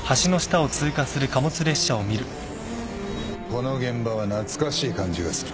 この現場は懐かしい感じがする